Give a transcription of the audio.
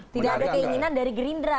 tidak ada keinginan dari gerindra